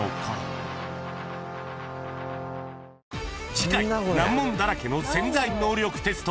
［次回難問だらけの『潜在能力テスト』］